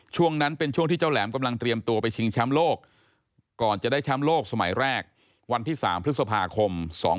ช่วงนั้นเป็นช่วงที่เจ้าแหลมกำลังเตรียมตัวไปชิงแชมป์โลกก่อนจะได้แชมป์โลกสมัยแรกวันที่๓พฤษภาคม๒๕๖